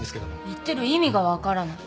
言ってる意味が分からない。